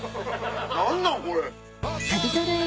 何なんこれ！